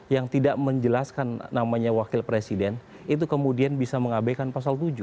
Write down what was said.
yang tidak menjelaskan namanya wakil presiden itu kemudian bisa mengabaikan pasal tujuh